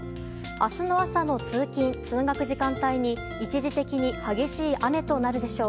明日の朝の通勤・通学時間帯に一時的に激しい雨となるでしょう。